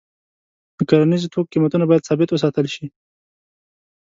د کرنیزو توکو قیمتونه باید ثابت وساتل شي.